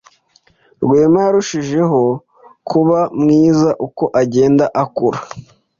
Rwema yarushijeho kuba mwiza uko agenda akura.